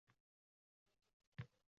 Qo’limda bir quchoq bahor gullari.